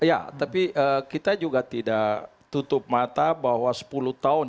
ya tapi kita juga tidak tutup mata bahwa sepuluh tahun